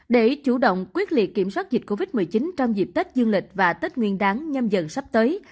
để chủ động quyết liệt kiểm soát dịch covid một mươi chín trong dịp tết dương lịch và tết nguyên đáng nhâm dần sắp tới